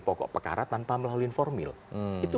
pokok perkara tanpa melalui formil itu